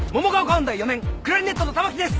音大４年クラリネットの玉木です！